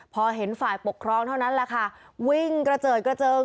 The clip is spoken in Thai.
พอเห็นฝ่ายปกครองเท่านั้นแหละค่ะวิ่งกระเจิดกระเจิง